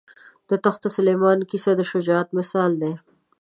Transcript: د تخت سلیمان کیسه د شجاعت مثال ده.